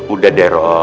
udah deh rob